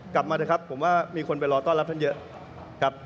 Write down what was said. กลับมาเถอะครับผมว่ามีคนไปรอต้อนรับท่านเยอะครับ